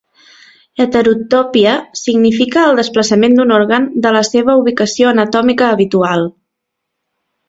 Heterotòpia significa el desplaçament d'un òrgan de la seva ubicació anatòmica habitual.